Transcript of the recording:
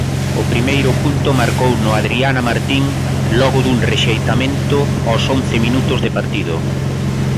O primeiro punto marcouno Adriana Martín logo dun rexeitamento aos once minutos de partido.